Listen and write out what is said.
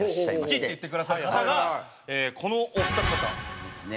好きって言ってくださる方がこのお二方。